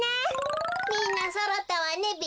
みんなそろったわねべ。